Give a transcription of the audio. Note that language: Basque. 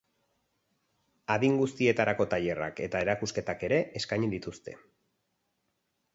Adin guztietarako tailerrak eta erakusketak ere eskainiko dituzte.